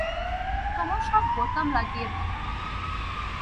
তোমার সব বোতাম লাগিয়ে দিলাম।